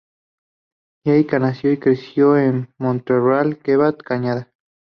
Jake nació y creció en Montreal, Quebec, Canadá.